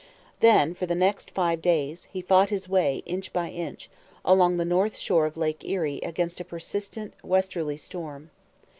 Then, for the next five days, he fought his way, inch by inch, along the north shore of Lake Erie against a persistent westerly storm.